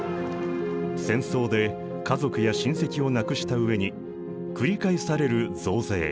戦争で家族や親戚を亡くした上に繰り返される増税。